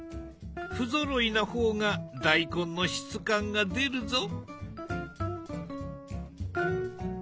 不ぞろいな方が大根の質感が出るぞ。